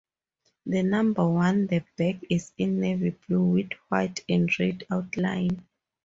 The number on the back is in navy blue with white and red outline.